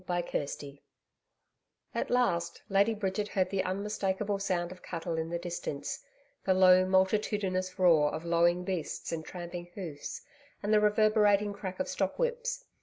CHAPTER 9 At last, Lady Bridget heard the unmistakable sound of cattle in the distance the low, multitudinous roar of lowing beasts and tramping hoofs and the reverberating crack of stock whips.